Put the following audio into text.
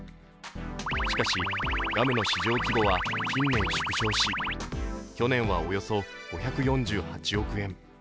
しかし、ガムの市場規模は近年縮小し、去年はおよそ５４８億円。